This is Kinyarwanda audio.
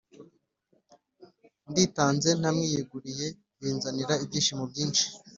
Nditanze ntamwiyeguriye binzanira ibyishimo byinshi